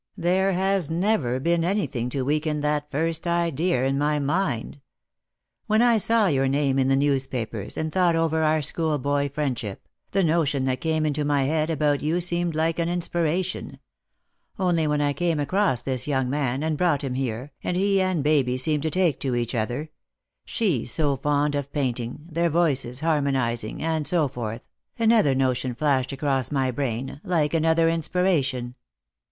There has never been anything to weaken that first idea in my mind. When I saw your name in the newspapers, and thought over our schoolboy friendship, the notion that came into my head about you seemed like an inspiration ; only when I came across this young man, and brought him here, and he and Baby seemed to take to each other — she so fond of painting, their voices harmonizing, and so forth — another notion flashed across my brain, like another inspiration.